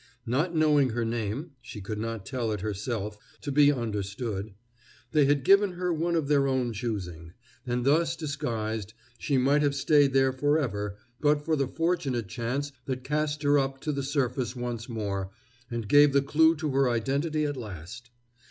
Not knowing her name, she could not tell it herself, to be understood, they had given her one of their own choosing; and thus disguised, she might have stayed there forever but for the fortunate chance that cast her up to the surface once more, and gave the clue to her identity at last.